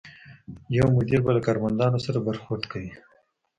یو مدیر به له کارمندانو سره برخورد کوي.